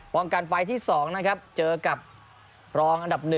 กันไฟล์ที่๒นะครับเจอกับรองอันดับ๑